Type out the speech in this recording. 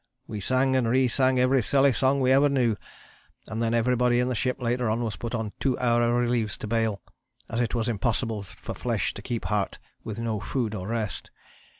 We sang and re sang every silly song we ever knew, and then everybody in the ship later on was put on 2 hour reliefs to bale, as it was impossible for flesh to keep heart with no food or rest.